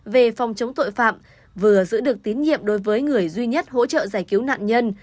về phòng chống tội phạm vừa giữ được tín nhiệm đối với người duy nhất hỗ trợ giải cứu nạn nhân